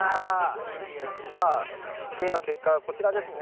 さあ実験の結果はこちらですね。